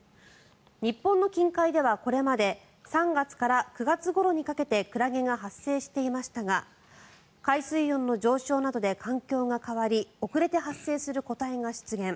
日本の近海ではこれまで３月から９月ごろにかけてクラゲが発生していましたが海水温の上昇などで環境が変わり遅れて発生する個体が出現。